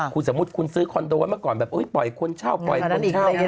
คุณสมมุติคุณซื้อคอนโดไว้เมื่อก่อนแบบปล่อยคนเช่าปล่อยคนเช่า